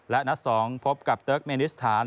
และนัด๒พบกับเติร์กเมนิสถาน